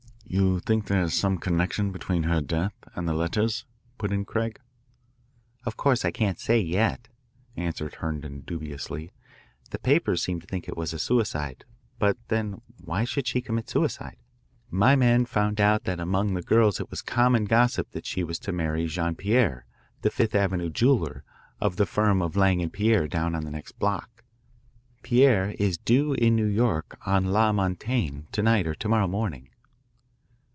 "You think there is some connection between her death and the letters?" put in Craig. "Of course I can't say, yet," answered Herndon dubiously. "The papers seem to think it was a suicide. But then why should she commit suicide? My man found out that among the girls it was common gossip that she was to marry Jean Pierre, the Fifth Avenue jeweller, of the firm of Lang & Pierre down on the next block. Pierre is due in New York on La Montaigne to night or to morrow morning.